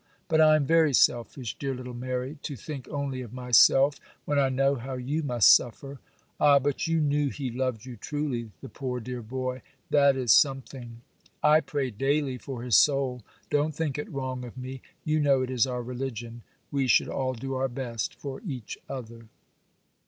But I am very selfish, dear little Mary, to think only of myself, when I know how you must suffer. Ah, but you knew he loved you truly, the poor dear boy, that is something. I pray daily for his soul; don't think it wrong of me, you know it is our religion, we should all do our best for each other.